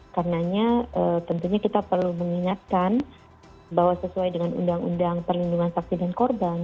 karenanya tentunya kita perlu mengingatkan bahwa sesuai dengan undang undang perlindungan saksi dan korban